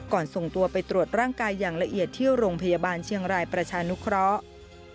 ส่งตัวไปตรวจร่างกายอย่างละเอียดที่โรงพยาบาลเชียงรายประชานุเคราะห์